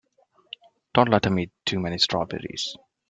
Don't let him eat too many strawberries.